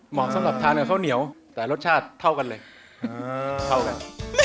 สำหรับทานกับข้าวเหนียวแต่รสชาติเท่ากันเลยเข้ากัน